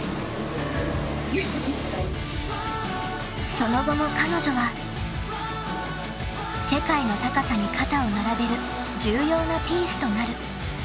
［その後も彼女は世界の高さに肩を並べる重要なピースとなる］